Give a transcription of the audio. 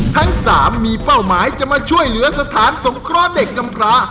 ทั้ง๓มีเป้าหมายจะมาช่วยเหลือสถานสงครอเด็กกำพลาห์